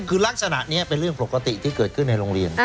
คือลักษณะนี้เป็นเรื่องปกติที่เกิดขึ้นในโรงเรียน